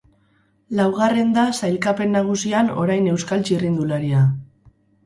Laugarren da sailkapen nagusian orain euskal txirrindularia.